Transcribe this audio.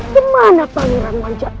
kemana pangeran manja ini